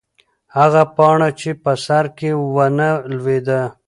هغه پاڼه چې په سر کې وه نه لوېده.